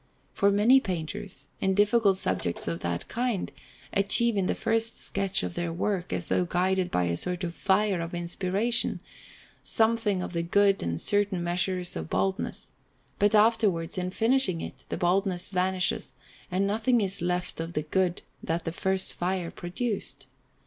For many painters, in difficult subjects of that kind, achieve in the first sketch of their work, as though guided by a sort of fire of inspiration, something of the good and a certain measure of boldness; but afterwards, in finishing it, the boldness vanishes, and nothing is left of the good that the first fire produced.